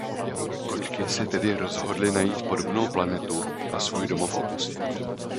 Kočky se tedy rozhodli najít podobnou planetu a svůj domov opustit.